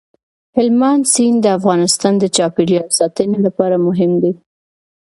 هلمند سیند د افغانستان د چاپیریال ساتنې لپاره مهم دي.